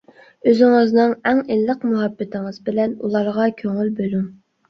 ئۆزىڭىزنىڭ ئەڭ ئىللىق مۇھەببىتىڭىز بىلەن ئۇلارغا كۆڭۈل بۆلۈڭ.